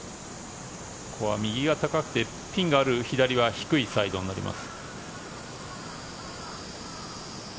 ここは右が高くてピンがある左は低いサイドになります。